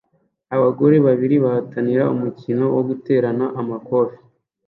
Abagore babiri bahatanira umukino wo guterana amakofe